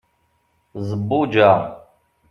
zebbuǧa